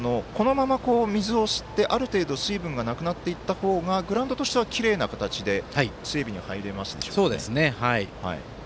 このまま、水を吸ってある程度水分がなくなっていったほうがグラウンドとしてはきれいな形で整備に入れますでしょうか。